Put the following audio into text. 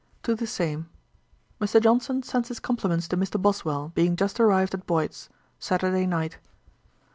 TO THE SAME. 'Mr. Johnson sends his compliments to Mr. Boswell, being just arrived at Boyd's,' 'Saturday night.'